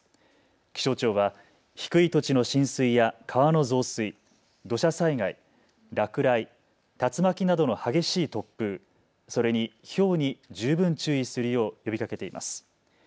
気象庁は低い土地の浸水や川の増水、土砂災害、落雷、竜巻などの激しい突風、それにひょうに十分注意するよう呼びかけています。